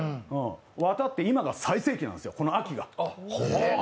綿って今、最盛期なんですよ、秋が。